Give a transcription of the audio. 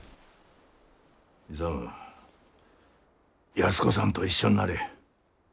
安子さんと一緒んなれ。